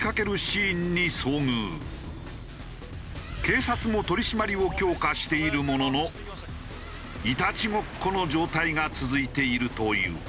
警察も取り締まりを強化しているもののイタチごっこの状態が続いているという。